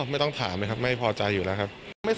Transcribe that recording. ไม่ต้องถามนะครับไม่พอใจอยู่แล้วครับ